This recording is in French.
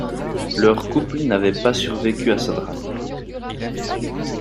Leur couple n’avait pas survécu à ce drame.